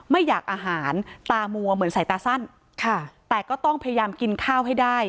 ไม่อยากอาหารตามัวเหมือนใส่ตาสั้นค่ะแต่ก็ต้องพยายามกินข้าวให้ได้